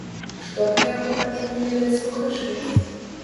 Што пра яго павінны ведаць слухачы?